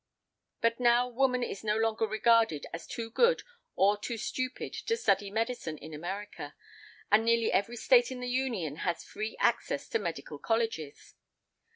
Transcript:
But now woman is no longer regarded as too good or too stupid to study medicine in America; in nearly every State in the Union she has free access to Medical Colleges .